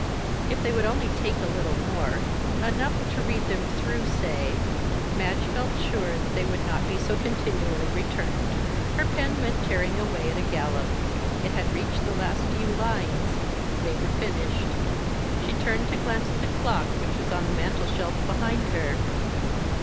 If they would only take a little more enough to read them through, say Madge felt sure they would not be so continually returned. Her pen went tearing away at a gallop it had reached the last few lines they were finished. She turned to glance at the clock which was on the mantelshelf behind her.